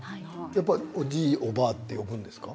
やっぱりおじい、おばあと呼ぶんですか？